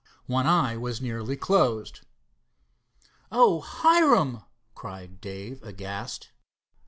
One eye was nearly closed. "Oh, Hiram!" cried Dave aghast.